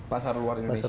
pasar luar indonesia ya